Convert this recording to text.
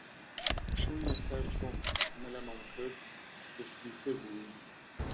چووینە سەر چۆم، مەلەمان کرد، برسیتر بووین